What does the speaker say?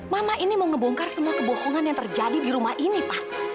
mama ini mengebongkar semua kebohongan yang terjadi di rumah ini pak